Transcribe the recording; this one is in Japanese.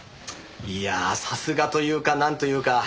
いやあさすがというかなんというか。